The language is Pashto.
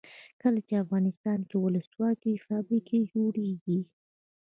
کله چې افغانستان کې ولسواکي وي فابریکې جوړیږي.